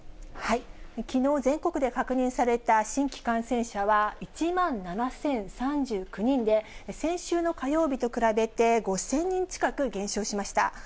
きのう、全国で確認された新規感染者は、１万７０３９人で、先週の火曜日と比べて、５０００人近く減少しました。